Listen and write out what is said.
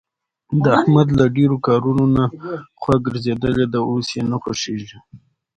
د احمد له ډېرو کارونو نه خوا ګرځېدلې ده. اوس یې نه خوښږېږي.